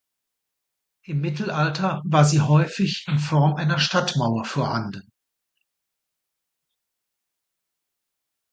Im Mittelalter war sie häufig in Form einer Stadtmauer vorhanden.